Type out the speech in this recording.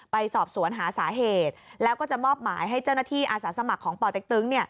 ไปสอบสวนหาสาเหตุแล้วก็จะมอบหมายให้เจ้าหน้าที่อาสาสมัครของปเต็กตึง